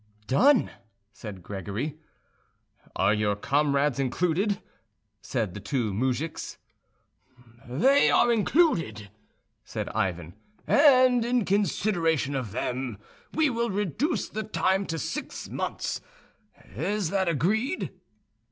"Done!" said Gregory. "Are your comrades included?" said the two moujiks. "They are included," said Ivan, "and in consideration of them we will reduce the time to six months. Is that agreed?"